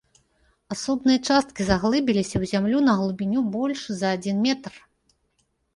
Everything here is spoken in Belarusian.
Асобныя часткі заглыбіліся ў зямлю на глыбіню больш за адзін метр.